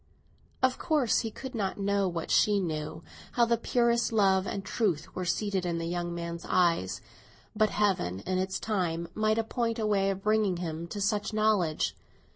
Of course he could not know what she knew, how the purest love and truth were seated in the young man's eyes; but Heaven, in its time, might appoint a way of bringing him to such knowledge.